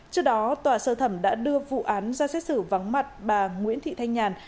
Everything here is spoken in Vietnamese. trước đó tòa sơ thẩm đã đưa vụ án ra xét xử vắng mặt bà nguyễn thị thanh nhàn